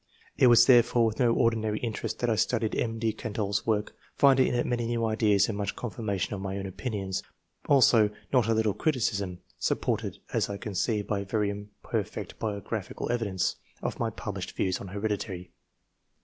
It was therefore with no ordinary interest that I studied M. de Candolle's work, finding in it many new ideaa and much con firmation of my own opinions ; also not a little criticism (supported, as I conceive, by very im perfect biographical evidence,) ^ of my published views on heredity.